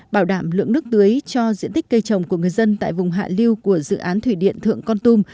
bảo đảm lượng nước tưới cho diện tích cây trồng của người dân tại vùng hạ lưu của dự án thủy điện thượng con tum